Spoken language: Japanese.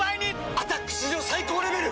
「アタック」史上最高レベル！